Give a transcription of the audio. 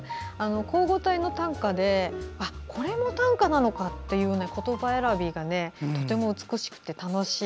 口語体の短歌でこれも短歌なのかという言葉選びもとても美しくて楽しい。